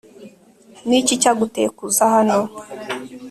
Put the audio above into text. ni iki cyaguteye kuza hano